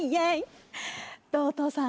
どう？